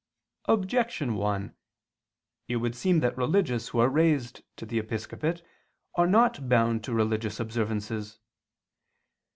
Objection 1: It would seem that religious who are raised to the episcopate are not bound to religious observances.